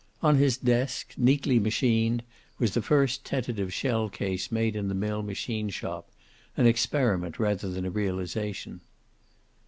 On his desk, neatly machined, was the first tentative shell case made in the mill machine shop, an experiment rather than a realization.